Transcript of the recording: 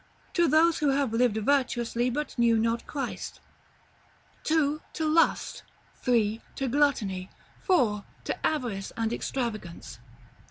To those who have lived virtuously, but knew not Christ. 2. To Lust. 3. To Gluttony. 4. To Avarice and Extravagance.